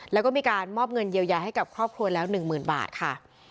แล้วก็มีการมอบเงินเยียวยาให้กับครอบครัวแล้ว๑๐๐๐บาทค่ะ